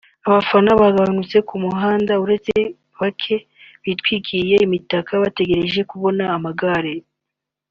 abafana bagabanutse ku muhanda usibye bake bitwikiriye imitaka bategereje kubona amagare